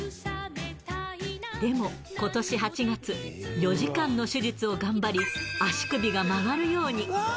でも、ことし８月、４時間の手術を頑張り、足首が曲がるように。